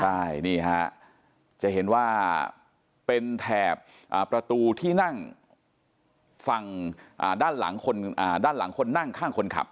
ใช่นี่ฮะจะเห็นว่าเป็นแถบประตูที่นั่งฝั่งด้านหลังด้านหลังคนนั่งข้างคนขับ